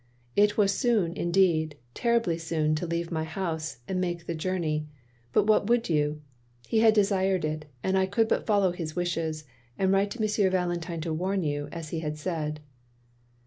It was soon; indeed terribly soon, to leave my house, and make the journey. But what would you? He had desired it, and I could but follow his wishes, and write to M. Valentine to warn you, as he had said.